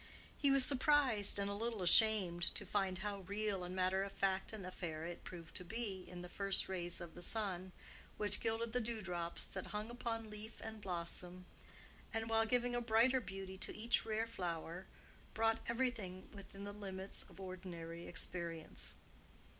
He was surprised and a little ashamed to find how real and matter of fact an affair it proved to be, in the first rays of the sun which gilded the dew drops that hung upon leaf and blossom, and, while giving a brighter beauty to each rare flower, brought everything within the limits of ordinary experience.